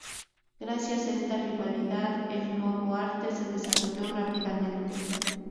Gracias a esta rivalidad, el nuevo arte se desarrolló rápidamente.